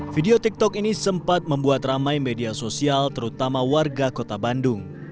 video tiktok ini sempat membuat ramai media sosial terutama warga kota bandung